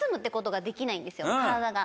体が。